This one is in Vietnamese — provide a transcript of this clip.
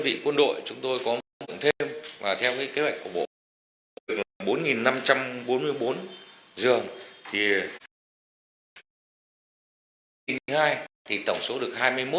trường trung cấp nghề số hai mươi hai tổng số được hai mươi một